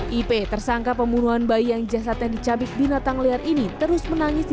hai ip tersangka pembunuhan bayi yang jasadnya dicabik binatang liar ini terus menangis di